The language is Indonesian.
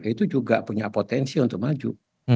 itu juga punya potensi untuk maju